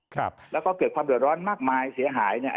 ครับแล้วก็เกิดความเดือดร้อนมากมายเสียหายเนี่ย